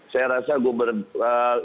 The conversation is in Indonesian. saya rasa gubernur